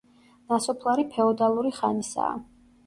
ნასოფლარი ფეოდალური ხანისაა.